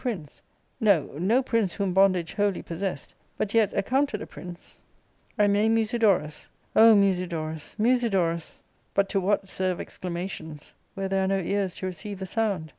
— z. prince ; no, no prince whom bondage wholly possessed; but yet accounted a prince, ARCADIA. ^Book IL I29 and named Musidonis. O Musidorus ! Musidorus ! But to what serve exclamations, where there are no ears to receive the sound